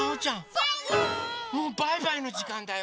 もうバイバイのじかんだよ。